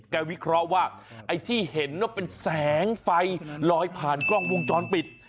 วิเคราะห์ว่าไอ้ที่เห็นว่าเป็นแสงไฟลอยผ่านกล้องวงจรปิด